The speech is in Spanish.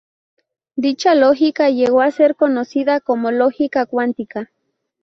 Dicha lógica llegó a ser conocida como "lógica cuántica".